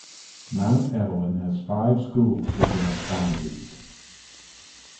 Mount Evelyn has five schools within its boundaries.